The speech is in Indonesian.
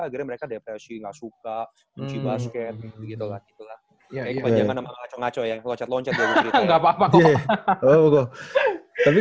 agar mereka depresi gak suka lucu basket gitu lah kayak kepanjangan sama ngaco ngaco ya loncat loncat